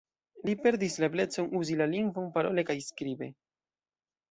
Li perdis la eblecon uzi la lingvon parole kaj skribe.